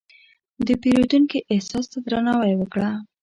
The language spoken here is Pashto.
د پیرودونکي احساس ته درناوی وکړه.